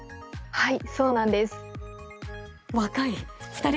はい。